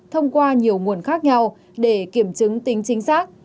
thông qua nhiều nguồn khác nhau để kiểm chứng tính chính xác